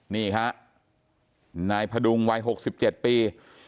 นี่ครับนายพระดุงวัย๖๗ปี